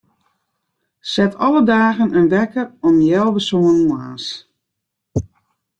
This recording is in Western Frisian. Set alle dagen in wekker om healwei sânen moarns.